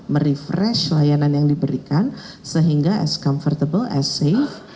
merefresh layanan yang diberikan sehingga as comfortable as save